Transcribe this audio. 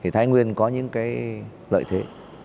thái nguyên có những lợi thế